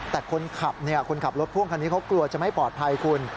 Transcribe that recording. แต่คนขับคนขับรถพ่วงคันนี้เขากลัวจะไม่ปลอดภัยคุณ